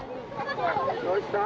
どうした？